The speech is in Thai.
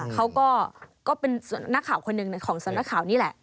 เขาก็เป็นนักข่าวคนหนึ่งของสำนักข่าวนี่แหละ